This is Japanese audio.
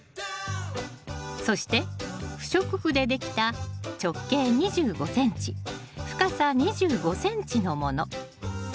そして不織布でできた直径２５ｃｍ深さ２５ｃｍのもの。